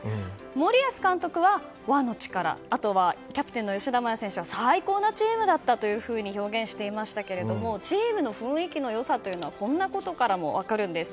森保監督は、和の力キャプテンの吉田麻也選手は最高のチームだったと表現していましたがチームの雰囲気の良さというのはこんなことからも分かるんです。